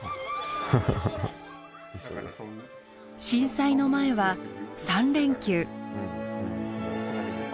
震災の前は３連休。